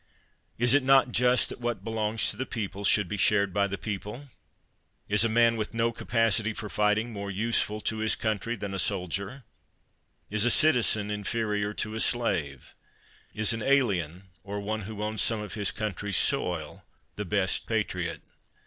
Is it not just that what belongs to the people should be shared by the people? Is a man with no capacity for fighting more useful to his coun try than a soldier? Is a citizen inferior to a slave? Is an alien, or one who owns some of his country's soil, the best patriot?